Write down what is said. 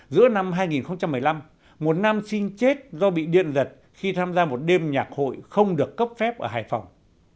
giữa năm hai nghìn một mươi năm một nam sinh chết do bị điện giật khi tham gia một đêm nhạc hội không được cấp phép ở hải phòng